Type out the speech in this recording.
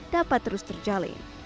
dapat terus terjalin